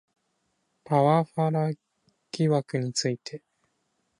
パワハラ疑惑について